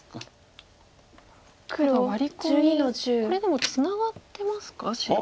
これでもツナがってますか白は。